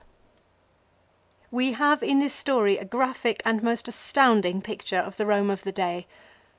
We have in this story a graphic and most astounding B c 52 pi c t ure f the Borne of the day.